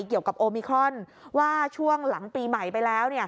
เกี่ยวกับโอมิครอนว่าช่วงหลังปีใหม่ไปแล้ว